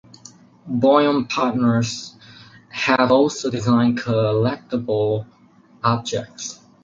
Boym Partners have also designed collectible objects.